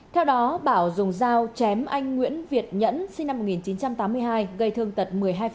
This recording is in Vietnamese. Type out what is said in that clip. theo đó bảo dùng dao chém anh nguyễn việt nhẫn sinh năm một nghìn chín trăm tám mươi hai gây thương tật một mươi hai